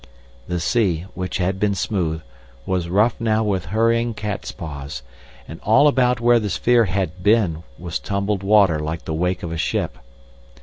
The sea, which had been smooth, was rough now with hurrying cat's paws, and all about where the sphere had been was tumbled water like the wake of a ship.